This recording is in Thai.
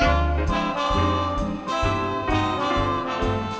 ให้พวกเราสนุกไป